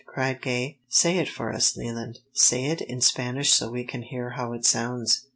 cried Gay. "Say it for us, Leland. Say it in Spanish so we can hear how it sounds."